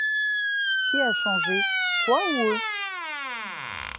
Qui a changé, toi ou eux?